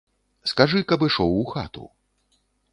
Скажы, каб ішоў у хату.